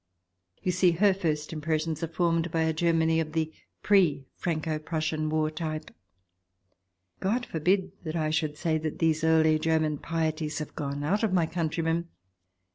You see, her first impressions are formed by a Germany of the pre Franco Prussian War type. God forbid I should say that these early German pieties have gone out of my countrymen